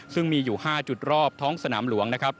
ซึ่งมีอยู่๕จุดรอบท้องสนามหลวงนะครับ